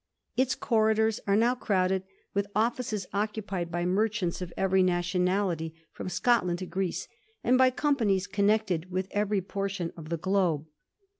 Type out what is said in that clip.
Its corridors are now crowded with offices occupied by merchants of every nationality, from Scotland to Greece, and by companies connected with every portion of the globe.